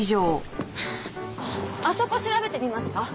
あそこ調べてみますか？